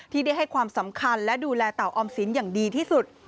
ที่ได้ให้ความสำคัญและดูแลเต่าออมสินอย่างดีที่สุด